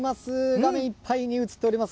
画面いっぱいに映っております